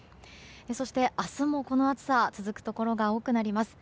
そして明日も、この暑さ続くところが多くなります。